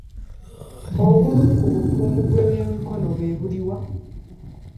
Obumu ku bukugu bw'ebyemikono bwe buliwa?